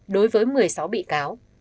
đối với một mươi sáu bị cáo